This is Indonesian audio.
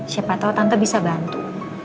siapa tahu tante bisa bantu